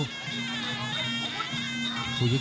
ขอขอบคุณครับ